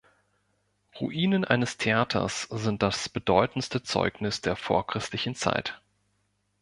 Ruinen eines Theaters sind das bedeutendste Zeugnis der vorchristlichen Zeit.